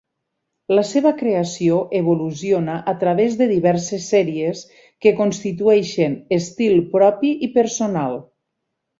La seva creació evoluciona a través de diverses sèries que constitueixen estil propi i personal.